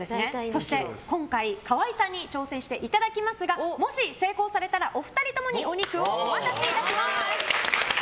そして今回、川合さんに挑戦していただきますがもし成功されたらお二人ともにお肉をお渡しします。